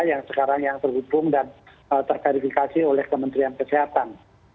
yang sekarang yang terhubung dan terverifikasi oleh kementerian kesehatan